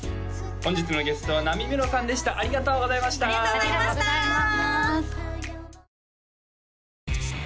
本日のゲストはなみめろさんでしたありがとうございましたありがとうございました！